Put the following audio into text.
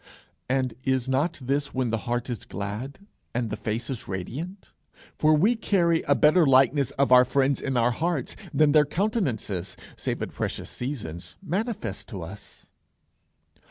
And is not this when the heart is glad and the face is radiant? For we carry a better likeness of our friends in our hearts than their countenances, save at precious seasons, manifest to us.